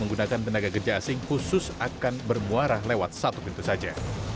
menggunakan tenaga kerja asing khusus akan bermuara lewat satu pintu saja